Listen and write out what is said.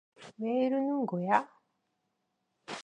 왜 이러는 거야?